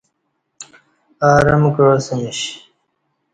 ارم کعاسمیش۔